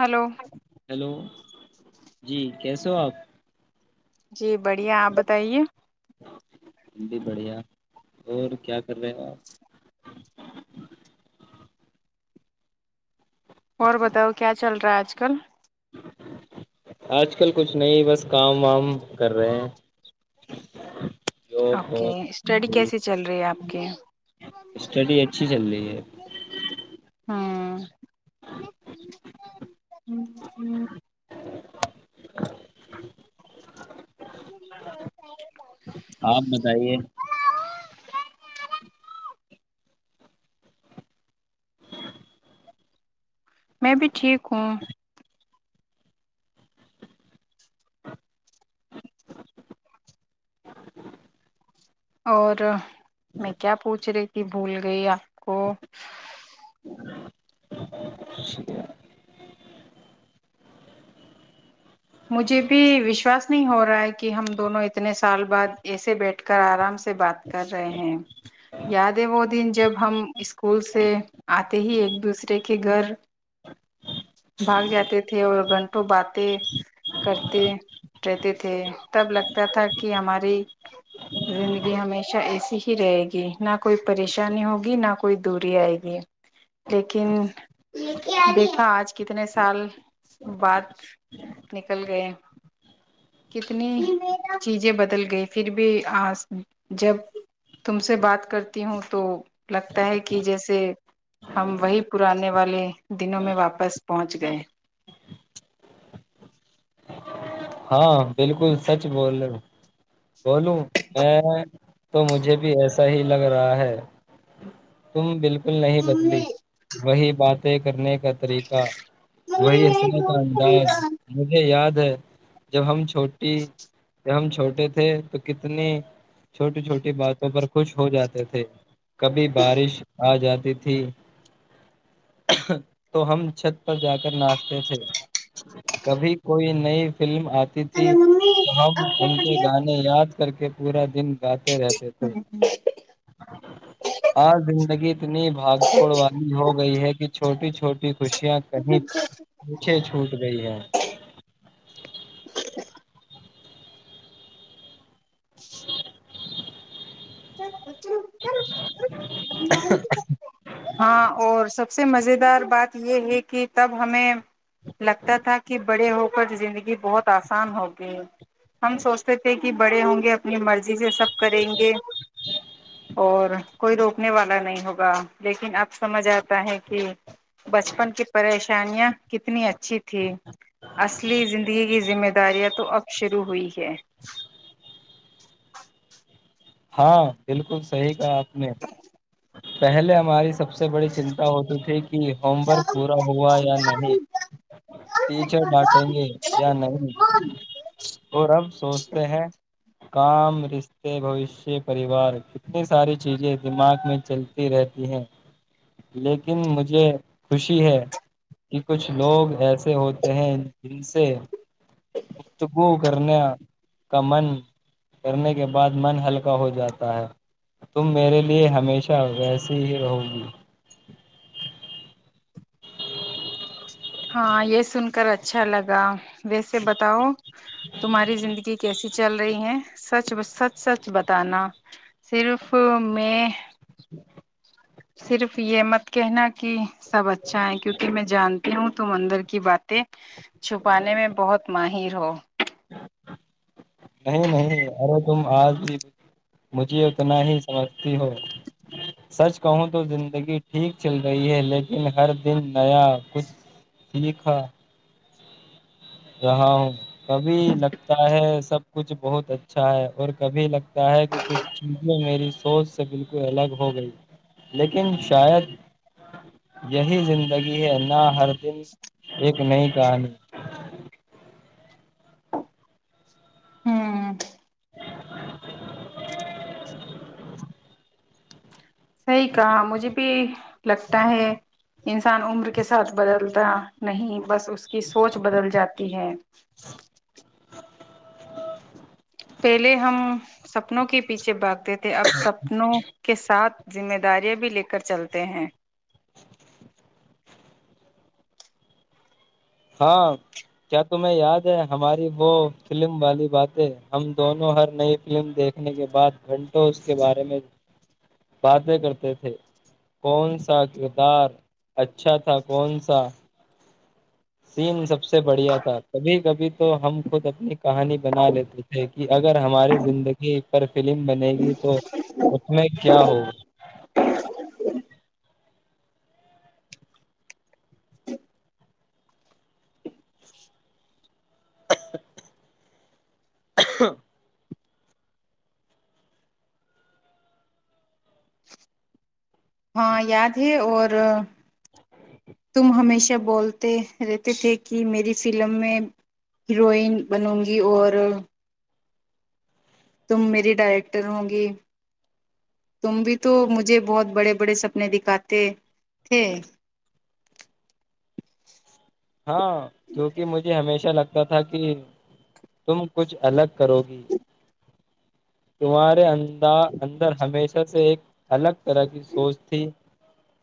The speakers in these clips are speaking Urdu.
ہلو ہیلو جی کیسےو ہو آپ جی بڑھیا آپ بتائیے بھی بڑھیا اور کیا کر رہے ہو آپ ہ اور بتاؤ کیا چل رہا ہے آج کل آج کل کچھ نہیں بس کام وام کر رہے ہیں ڈگعگر اوکے اسٹڈی کیسے چل رہی ہے آپ اوکے اسٹڈی اچھی چل رہی ہے ج ہوں ہوں ہوں آپ بتائیے میں بھی ٹھیک ہوں اور میں کیا پوچھ رہی کہ بھول گئی آپ کو مجھے بھی وشواس نہیں ہو رہا ہے کہ ہم دونوں اتنے سال بعد ایسے بیٹھ کر آرام سے بات کر رہے ہیں یاد ہے وہ دن جب ہم اسکول سے آتے ہی ایک دوسرے کے گھر بھاگ جاتے تھے اور گھنٹوں باتیں کرتے رہتے تھے تب لگتا تھا کہ ہماری زندگی ہمیشہ ایسی ہی رہے گی نہ کوئی پریشانی ہوگی نہ کوئی دوری آئے گی لیکن دیکھا آج کتنے سال بعد نکل گئے کتنی چیزیں بدل گئی پھر بھی آ جب تم سے بات کرتی ہوں تو لگتا ہے کہ جیسے ہم وہی پرانے والے دنوں میں واپس پہنچ گئے ہاں بالکل سچ بول رہے ہو بولوں میں تو مجھے بھی ایسا ہی لگ رہا ہے تم بالکل نہیں ممی بدلی وہی بات طے کرنے کا طریقہ وہی حسل کا ممی انداز میں مجھے یاد ا جب ہم چھوٹے ہم چھوٹے تھے تو کتنی چھوٹی چھوٹی باتوں پر خوش ہو جاتے تھے کبھی بارش آ جات تھی تو ہم چھت پر جا کر ناشتے تھ کبھی کوئی نہیں فلم ت تھی ارے ممی تو ہم اب کیا ان کے کر گانے یاد کر کے پورا دن گاتے رہتے تھے آج زندگی اتنی بھاگ توڑ والی ہو گئی ہے کہ چھوٹی چھوٹی خوشیاں کہیں پیچھے چھوٹ گئی ہے ذگذگذگ بگغشغ س کت ہاں اور سب سب سے مزے دار بات یہ ہے کہ تب ہمیں لگتا تھا کہ بڑے ہو کر زندگی بہت آسان ہو گئی ہم سوچتے تھے کہ بڑے ہوں گے اپنی مرضی سے سب کریں گے اور کوئی روکنے والا نہیں ہوگا لیکن اب سمجھ آتا ہے کہ بچپن کی پریشانیاں کتنی اچھی تھیں اصلی زندگی کی ذمہ داریاں تو اب شروع ہوئی ہے [inaudible] ہاں بالکل صحیح کہا آپ نے پہلے ہماری سب سے بڑی چنتا ہوتی تھی کہ ہوم ورک پورا ہوا یا نہیں ٹیچر بانٹیں گے یا نہیں اور اب سوچتے ہیں کام رشتے بھشیہ پریوار اتنی ساری چیزیں دماغ میں چلتی رہتی ہیں لیکن مجھے خوشی ہے کہ کچھ لوگ ایسے ہوتے ہیں جن سے تو وہ کرنے کا من کرنے کے بعد من ہلکا ہو جاتا ہے تم میرے لیے ہمیشہ ویسی ہی رہو گی ہاں یہ سن کر اچھا لگا ویسے بتاؤ تمہاری زندگی کیسی چل رہی ہیں سچ سچ سچ بتانا صرف میں [inaudible] صرف یہ مت کہنا کہ سب اچھا ہے کیونکہ میں جانتا ہوں تم اندر کی باتیں چھپانے میں بہت ماہر [inaudible] نہیں نہیں ارو تم آج بھی مجھے اتنا ہی سمجھتی ہو سچ کہوں تو زندگی ٹھیک چل رہی ہے لیکن ہر دن نیا کچھ سیکھا رہا ہوں کبھی لگتا ہے سب کچھ بہت اچھا ہے اور کبھی لگتا ہے کہ کچھ چیزیں میری سوچ سے بالکل الگ ہو گئی لیکن شاید یہی زندگی ہے نہ ہر دن ایک نئی کہانی [inaudible] ہوں صحیح کہا مجھے بھی لگتا ہے انسان عمر کے ساتھ بدلتا نہیں بس اس کی سوچ بدل جاتی ہے [inaudible] پہلے ہم سپنوں کے پیچھے بگ تھے اب سپنوں کے ساتھ ذمہ داریاں بھی لے کر چلتے ہیں ہاں کیا تمہیں یاد ہے ہماری وہ فلم والی باتیں ہم دونوں ہر نئی فلم دیکھنے کے بعد گھنٹوں اس کے بارے میں باتیں کرتے تھے کون سا کردار اچھا تھا کون سا سین سب سے بڑھیا تھا کبھی کبھی تو ہم خود اپنی کہانی بنا لیتے تھے کہ کہ اگر ہماری زندگی پر فلم بنے گی تو اس میں کیا ہو [unintelligible] ہاں یاد ہے اور تم ہمیشہ بولتے رہتے تھے کہ میری فلم میں ہیروئن بنوں گی اور تم میری ڈائریکٹر ہ گی تم بھی تو مجھے بہت بڑے بڑے سپنے دکھاتے تھے ہاں کیونکہ مجھے ہمیشہ اچھا لگتا تھا کہ تم کچھ الگ کرو گی سمارے اندر ہمیشہ سے ایک الگ طرح کی سوچ تھی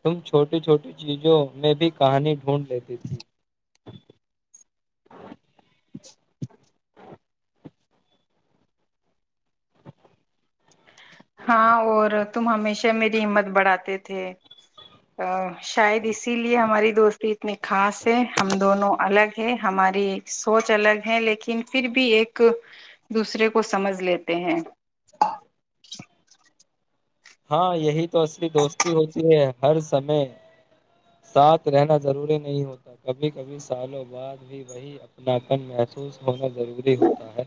تم چھوٹی چھوٹی چیزوں میں بھی کہانی ڈھونڈ لیتی تھی پشپجغس پگوسع ہاں اور تم ہمیشہ میری ہمت بڑھاتے تھے شاید اسی لیے ہماری دوستی اتنی خاص ہے ہم دونوں الگ ہے ہماری سوچ الگ ہے لیکن پھر بھی ایک دوسرے کو سمجھ لیتے ہیں ہ ہاں یہی تو اصلی دوستی ہوتی ہے ہر سمے ساتھ رہنا ضروری نہیں ہوتا کبھی کبھی سالوں بعد بھی وہی اپنا کن محسوس ہونا ضروری ہوتا ہے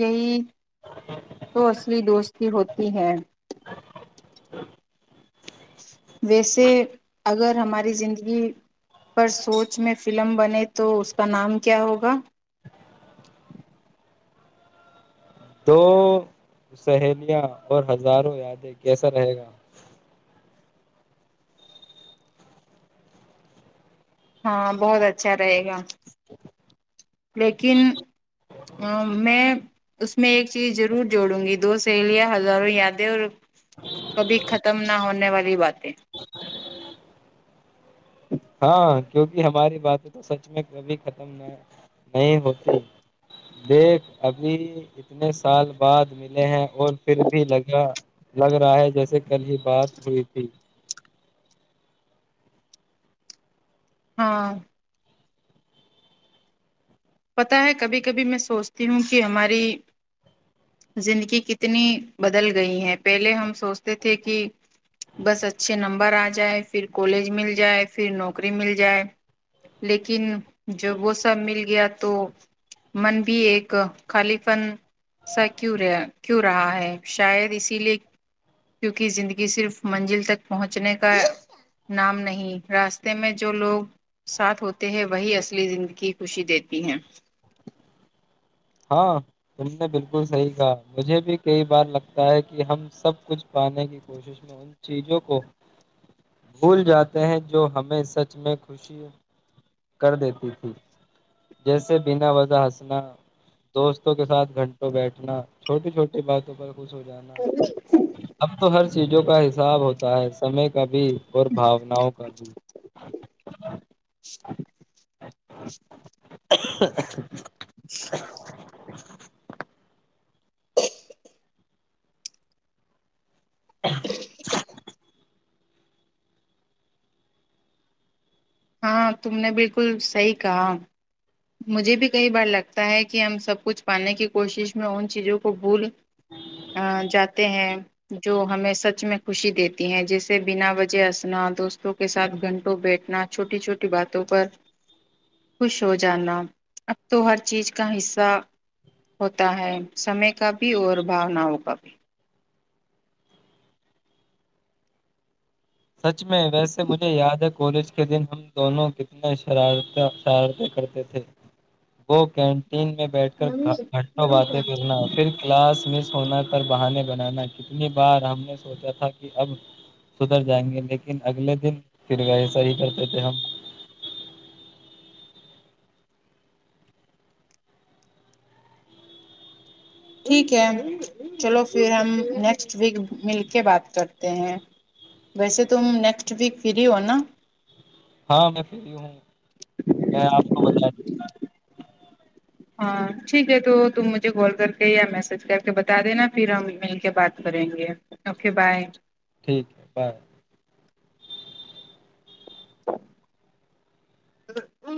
یہی تو اصلی دوستی ہوتی ہے شرپسرج ویسے اگر ہماری زندگی پر سوچ میں فلم بنے تو اس کا نام کیا ہوگا دو سہیلیاں اور ہزاروں یادیں کیسا رہے گا ہاں بہت اچھا رہے گا اس لیکن میں اس میں ایک چیز ضرور جوڑوں گی دو سہیلیاں ہزاروں یادیں اور کبھی ختم نہ ہونے والی باتیں ہاں کیونکہ ہماری باتیں تو سچ میں کبھی ختم نہیں ہوتی دیکھ ابھی اتنے سال بعد ملے ہیں اور پھر بھی لگا لگ رہا ہے جیسے کل ہی بات ہوئی تھی ہاں پتا ہے کبھی کبھی میں سوچتی ہوں کہ ہماری زندگی کتنی بدل گئی ہے پہلے ہم سوچتے تھے کہ بس اچھے نمبر آ جائے پھر کالج مل جائے پھر نوکری مل جائے لیکن جب وہ سب مل گیا تو من بھی ایک خالی فن سا کیوں رہ کیوں رہا ہے شاید اسی لیے کیونکہ زندگی صرف منزل تک پہنچنے کا نام نہیں راستے میں جو لوگ ساتھ ہوتے ہیں وہی اصلی زندگی خوشی دیتے ہیں ہاں تم نے بالکل صحیح کہا مجھے بھی کئی بار لگتا ہے کہ ہم سب کچھ پانے کی کوشش میں ان چیزوں کو بھول جاتے ہیں جو ہمیں سچ میں خوشی کر دیتی تھی جیسے بنا وضا ہسنا دوستوں کے ساتھ گھنٹوں بیٹھنا چھوٹی چھوٹی باتوں پر خوش ہو جانا اب تو ہر چیزوں کا ح صاب ہوتا ہے سمے کا بھی بھی اور بھاوناؤں کا بھی جپسذسغغس ج بہار کی اوج عا رہی ہے ہاں تم نے بالکل صحیح کہا مجھے بھی کئی بار لگتا ہے کہ ہم سب کچھ پانے کی کوشش میں ان چیزوں کو بھول ا جاتے ہیں جو ہمیں سچ میں خوشی دیتی ہیں جیسے بنا وجے اسنا دوست کے سھ گھنٹوں بیٹھنا چھوٹی چھوٹی باتوں پر خوش ہو ج جانا اب تو ہر چیز کا حصہ ہوتا ہے سمے کا بھی اور بھاوناؤں کا بھی سچ میں ویسے مجھے یاد ہے کالج کے دن ہم دونوں کتنے شرار شرارتیں کرتے تھے وہ کین تین میں بیٹھ کر گھنٹوں باتیں کرنا پھر کلاس مس ہونا کر بہانے پر بنانا کتنی بار ہم نے سوچا تھا کہ اب س اھر جائیں گے لیکن اگلے دن پھر وہ ایسا ہی کرتے تھے ہم ٹھیک ہے چلو پھر ہم نیکسٹ ویک مل کے بات کرتے ہیں ویسے تم نیکسٹ ویک فری ہو نا ہاں میں پھرری ہوں میں آپ کو بتا ہاں ٹھیک ہے تو تم مجھے کال کر کے یا میسج کر کے بتا دینا پھر ہم مل کے بات کریں گے اوکے بائے ٹھیک ہے بائے ا ا